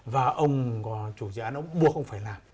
và ông chủ dự án nó buộc ông phải làm